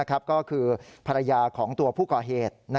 ก็คือภรรยาของตัวผู้ก่อเหตุ